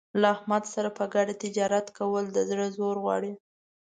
له احمد سره په ګډه تجارت کول د زړه زور غواړي.